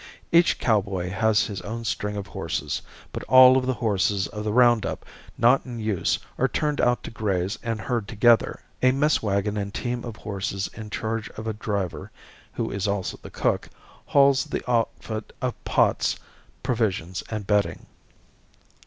Each cowboy has his own string of horses, but all of the horses of the round up not in use are turned out to graze and herd together. A mess wagon and team of horses in charge of a driver, who is also the cook, hauls the outfit of pots, provisions and bedding.